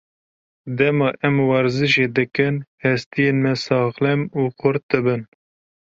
Dema em werzîşê dikin, hestiyên me saxlem û xurt dibin.